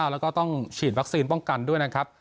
แล้วก็ต้องฉีดวัคซีนป้องกันด้วยนะครับ